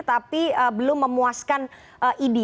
tapi belum memuaskan idi